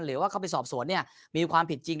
หรือว่าเข้าไปสอบสวนเนี่ยมีความผิดจริง